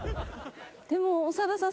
でも長田さん。